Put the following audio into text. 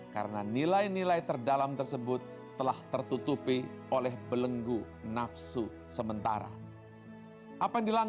karena nilai nilai terdalam tersebut telah tertutupi oleh belenggu nafsu sementara ini